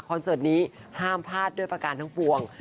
เสิร์ตนี้ห้ามพลาดด้วยประการทั้งปวง